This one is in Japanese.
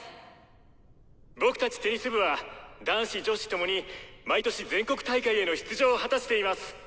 僕たちテニス部は男子女子共に毎年全国大会への出場を果たしています。